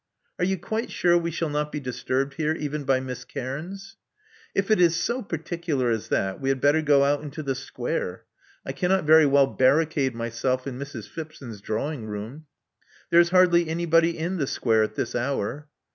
Are you quite sure we shall not be disturbed here, even by Miss Cairns?" If it is so particular as that, we had better go out into the Square. I cannot very well barricade myself in Mrs. Phipson' drawing room. There is hardly any body in the Square at this hour."